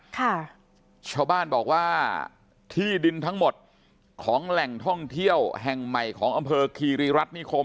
ค่ะชาวบ้านบอกว่าที่ดินทั้งหมดของแหล่งท่องเที่ยวแห่งใหม่ของอำเภอคีรีรัฐนิคม